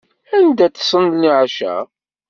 Anda teṭṭsem leɛca?